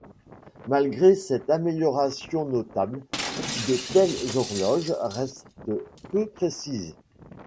Malgré cette amélioration notable, de telles horloges restent peu précises.